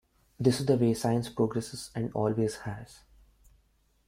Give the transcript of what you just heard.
That is the way science progresses and always has.